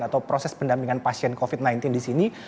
atau proses pendampingan pasien covid sembilan belas di sini